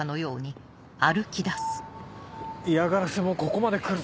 ⁉嫌がらせもここまで来ると。